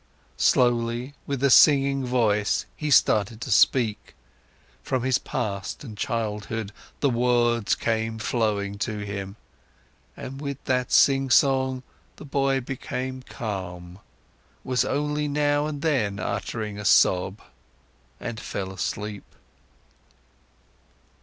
Slowly, with a singing voice, he started to speak; from his past and childhood, the words came flowing to him. And with that singsong, the boy became calm, was only now and then uttering a sob and fell asleep.